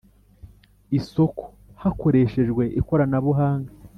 isoko hakoreshejwe ikoranabuhanga